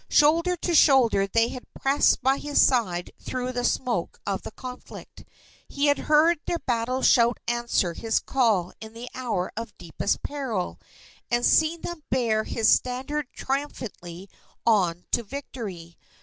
Shoulder to shoulder, they had pressed by his side through the smoke of the conflict. He had heard their battle shout answer his call in the hour of deepest peril, and seen them bear his standard triumphantly on to victory.